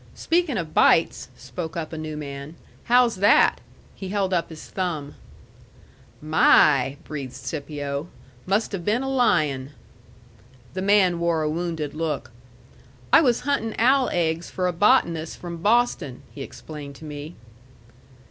"Speakin' of bites," spoke up a new man, "how's that?" He held up his thumb. "My!" breathed Scipio. "Must have been a lion." The man wore a wounded look. "I was huntin' owl eggs for a botanist from Boston," he explained to me.